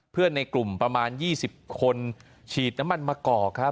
เพื่อนในกลุ่มประมาณ๒๐คนฉีดน้ำมันมะกอก